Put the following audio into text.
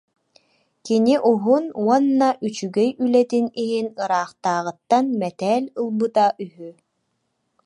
Кини уһун уонна үчүгэй үлэтин иһин ыраахтааҕыттан мэтээл ылбыта үһү